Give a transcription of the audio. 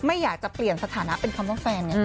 ไม่อยากจะเปลี่ยนสถานะเป็นคำว่าแฟนไง